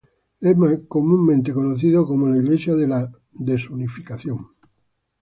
Es más comúnmente conocido como la Iglesia de la Unificación.